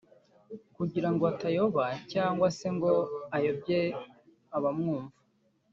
kugira ngo atayoba cyangwa se ngo ayobye abamwumva”